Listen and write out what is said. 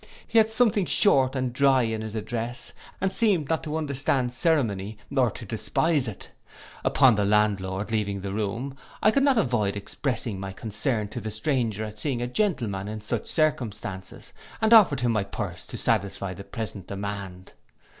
He had something short and dry in his address, and seemed not to understand ceremony, or to despise it. Upon the landlord's leaving the room, I could not avoid expressing my concern to the stranger at seeing a gentleman in such circumstances, and offered him my purse to satisfy the present demand.